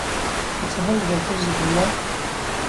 که څه هم د داکتر ذکر الله